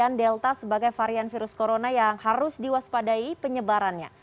varian delta sebagai varian virus corona yang harus diwaspadai penyebarannya